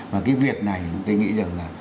và cái việc này tôi nghĩ rằng là